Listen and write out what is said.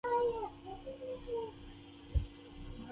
هغه استخباراتي مامورین قصابان وو او انسان ورته ارزښت نه درلود